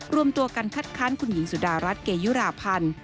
รวมตัวกันคัดค้านคุณหญิงสุดารัฐเกยุราพันธ์